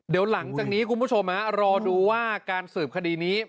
เดี๋ยวหลังจากนี้คุณผู้ชมรอดูว่าการสืบคดีนี้